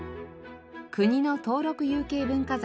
国の登録有形文化財